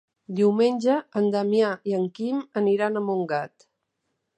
Diumenge en Damià i en Quim aniran a Montgat.